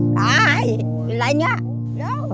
ตาอะไรเนี่ย